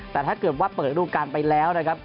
แต่ถ้าเกิดว่าเปิดรูปการณ์ไปแล้วนะครับ